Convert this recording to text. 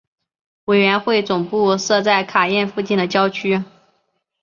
委员会总部设在卡宴附近的郊区。